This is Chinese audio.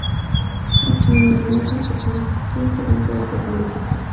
当前维也纳政府将建筑当作一个旅游景点。